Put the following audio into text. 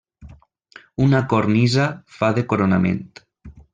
Una cornisa fa de coronament.